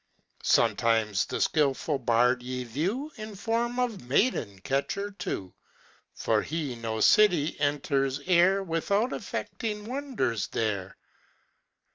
Sometimes the skilful bard ye view In the form of maiden catcher too; For he no city enters e'er, Without effecting wonders there.